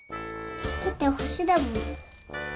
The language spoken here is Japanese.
だってほしだもん。